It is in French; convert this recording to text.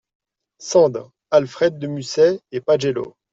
Sand, Alfred de Musset et Pagello.